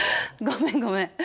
ごめんごめん。